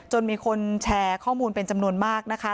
มีคนแชร์ข้อมูลเป็นจำนวนมากนะคะ